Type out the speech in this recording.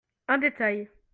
Un détail.